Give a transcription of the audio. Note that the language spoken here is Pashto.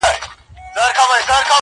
د مینې نفسیات بیانوي